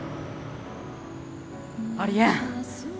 ありえん。